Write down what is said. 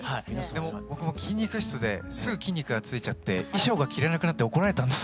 僕も筋肉質ですぐ筋肉がついちゃって衣装が着れなくなって怒られたんですよ。